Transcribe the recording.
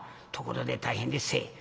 「ところで大変でっせ。